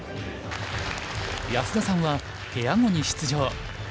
安田さんはペア碁に出場。